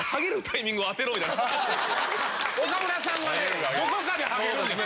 岡村さんがどこかでハゲるんですよ。